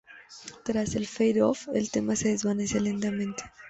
Tras el fade off, el tema se desvanece lentamente.